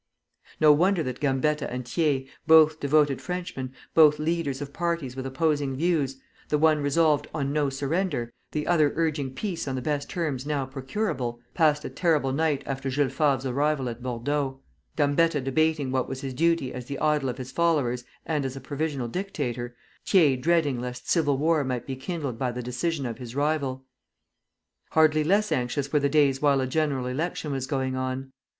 No wonder that Gambetta and Thiers, both devoted Frenchmen, both leaders of parties with opposing views, the one resolved on No surrender, the other urging Peace on the best terms now procurable, passed a terrible night after Jules Favre's arrival at Bordeaux, Gambetta debating what was his duty as the idol of his followers and as provisional dictator, Thiers dreading lest civil war might be kindled by the decision of his rival. Hardly less anxious were the days while a general election was going on.